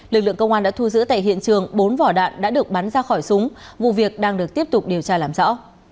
lực lượng công an đã thu giữ tại hiện trường bốn vỏ đạn đã được bắn ra khỏi súng vụ việc đang được tiếp tục điều tra làm rõ